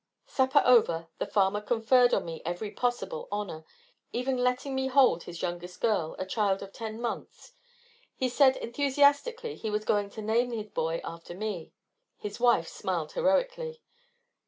Supper over, the farmer conferred on me every possible honor, even letting me hold his youngest girl, a child of ten months. He said, enthusiastically, he was going to name his boy after me; the wife smiled heroically.